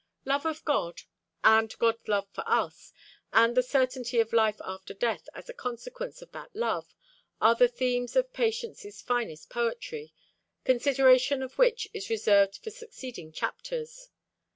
Love of God, and God's love for us, and the certainty of life after death as a consequence of that love, are the themes of Patience's finest poetry, consideration of which is reserved for succeeding chapters.